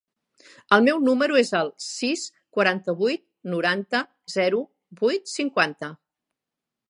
El meu número es el sis, quaranta-vuit, noranta, zero, vuit, cinquanta.